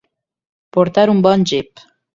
Portar un bon gep.